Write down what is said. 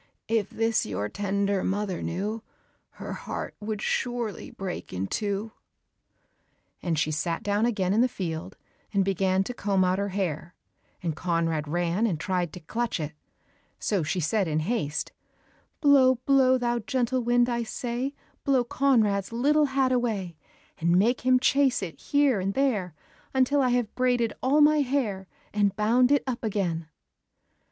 If this your tender mother knew, Her heart would surely break in two." And she sat down again in the field and began to comb out her hair, and Conrad ran and tried to clutch it, so she said in haste, "Blow, blow, thou gentle wind, I say, Blow Conrad's little hat away, And make him chase it here and there, Until I have braided all my hair, And bound it up again."